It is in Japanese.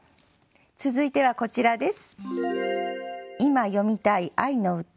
続いてはこちらです。